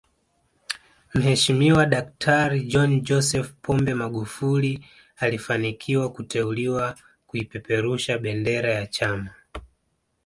Mheshimiwa daktari John Joseph Pombe Magufuli alifanikiwa kuteuliwa kuipeperusha bendera ya chama